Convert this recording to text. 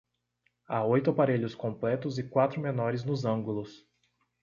Há oito aparelhos completos e quatro menores nos ângulos.